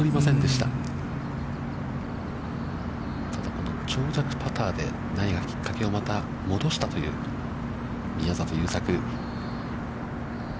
ただ、長尺パターできっかけをまた戻したという宮里優作。